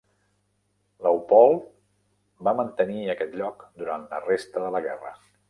Leopold va mantenir aquest lloc durant la resta de la guerra.